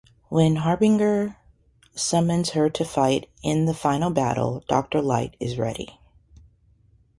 When Harbinger summons her to fight in the final battle, Doctor Light is ready.